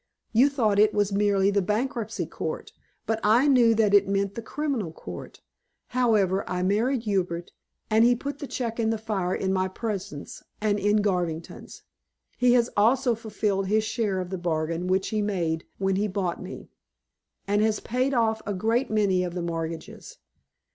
You thought it was merely the bankruptcy court, but I knew that it meant the criminal court. However, I married Hubert, and he put the check in the fire in my presence and in Garvington's. He has also fulfilled his share of the bargain which he made when he bought me, and has paid off a great many of the mortgages.